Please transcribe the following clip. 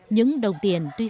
những đồng tiền tuy khó